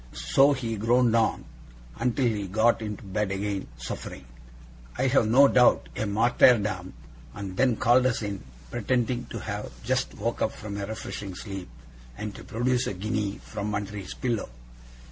So he groaned on, until he had got into bed again, suffering, I have no doubt, a martyrdom; and then called us in, pretending to have just woke up from a refreshing sleep, and to produce a guinea from under his pillow.